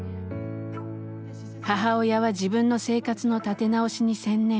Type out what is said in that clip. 母親は自分の生活の立て直しに専念。